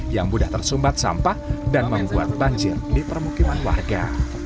yang mudah tersumbat sampah dan membuat banjir di permukiman warga